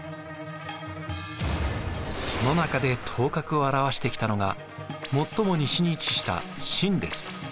その中で頭角を現してきたのが最も西に位置した秦です。